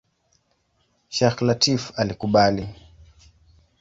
Sheikh Lateef alikubali.